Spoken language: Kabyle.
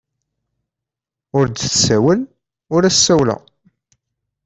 Ur d-tessawel, ur as-ssawleɣ.